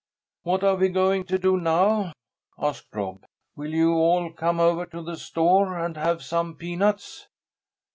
"What are we going to do now?" asked Rob. "Will you all come over to the store and have some peanuts?"